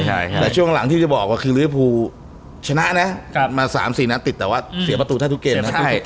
แต่ช่วงหลังที่จะบอกว่าฤทธิ์ภูมิชนะนะมา๓๔นาทีติดแต่ว่าเสียประตูท่าทุกเกม